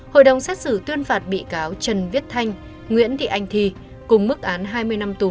hội đồng xét xử tuyên phạt bị cáo trần viết thanh nguyễn thị anh thi cùng mức án hai mươi năm tù